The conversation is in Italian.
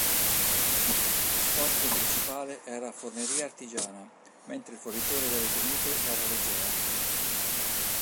Lo sponsor principale era "Forneria Artigiana", mentre il fornitore delle tenute era Legea.